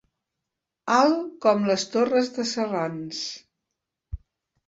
Alt com les torres de Serrans.